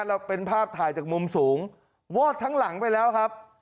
เราเป็นภาพถ่ายจากมุมสูงวอดทั้งหลังไปแล้วครับ